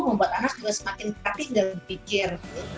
membuat anak juga semakin kreatif dan berpikir